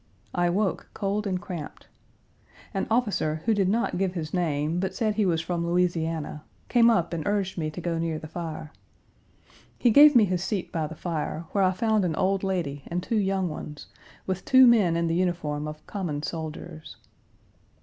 I woke cold and cramped. An officer, who did not give his name, but said he was from Louisiana, came up and urged me to go near the fire. He gave me his seat by the fire, Page 255 where I found an old lady and two young ones, with two men in the uniform of common soldiers.